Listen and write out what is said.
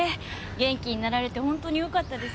元気になられて本当によかったです。